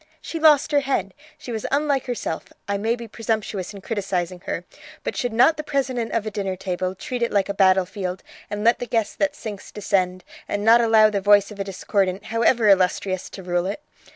She lost her head; she was unlike herself I may be presumptuous in criticizing her, but should not the president of a dinner table treat it like a battlefield, and let the guest that sinks descend, and not allow the voice of a discordant, however illustrious, to rule it?